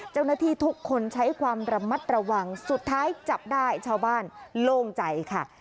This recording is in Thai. เจ้าหน้าที่ทุกคนใช้ความระมัดระวังสุดท้ายจับได้ชาวบ้านโล่งใจค่ะ